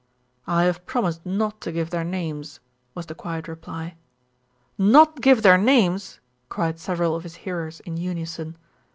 "I have promised not to give their names," was the quiet reply. "Not give their names?" cried several of his hearers in unison.